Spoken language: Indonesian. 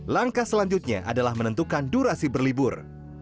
langkah selanjutnya adalah menentukan durasi berlibur